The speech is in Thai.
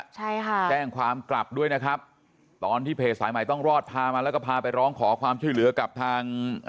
ใช่ค่ะแจ้งความกลับด้วยนะครับตอนที่เพจสายใหม่ต้องรอดพามาแล้วก็พาไปร้องขอความช่วยเหลือกับทาง